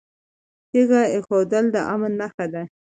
تیږه ایښودل د امن نښه ده